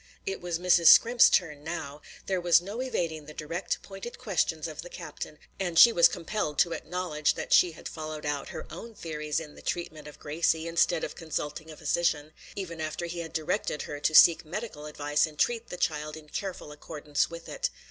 It was Mrs. Scrimp's turn now; there was no evading the direct, pointed questions of the captain, and she was compelled to acknowledge that she had followed out her own theories in the treatment of Gracie, instead of consulting a physician, even after he had directed her to seek medical advice and treat the child in careful accordance with it.